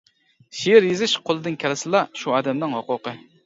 شېئىر يېزىش قولىدىن كەلسىلا شۇ ئادەمنىڭ ھوقۇقى.